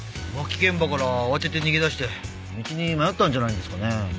浮気現場から慌てて逃げ出して道に迷ったんじゃないんですかね？